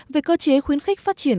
về cơ chế khuyến khích phát triển